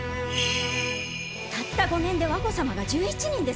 たった５年で和子様が１１人ですぞ！